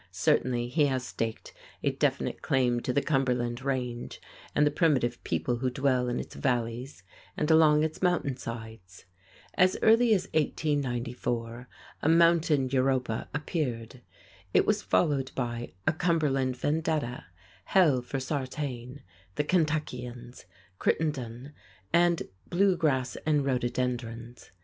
Certainly he has staked a definite claim to the Cumberland Range and the primitive people who dwell in its valleys and along its mountainsides. As early as 1894, "A Mountain Europa" appeared. It was followed by "A Cumberland Vendetta," "Hell for Sartain," "The Kentuckians," "Crittendon," and "Blue Grass and Rhododendrons."